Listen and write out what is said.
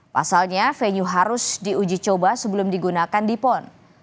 pasalnya venue harus diuji coba sebelum digunakan di pon